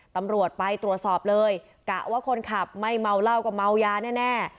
ตำรวจไปตรวจสอบเลยกะว่าคนขับไม่เมาเหล้าก็เมายาแน่